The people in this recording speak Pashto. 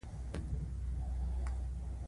غول د امیندوارۍ خبرونه ورکوي.